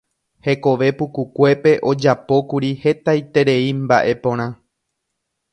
Hekove pukukuépe ojapókuri hetaiterei mba'e porã.